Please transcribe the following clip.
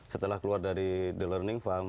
setelah keluar dari the learning farm